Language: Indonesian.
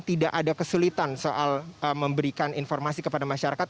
tidak ada kesulitan soal memberikan informasi kepada masyarakat